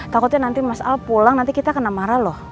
takutnya nanti mas al pulang nanti kita kena marah loh